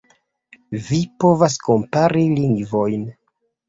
Vi povas kompari lingvojn.